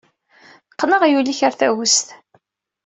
Qqen aɣyul-ik ɣer tagest.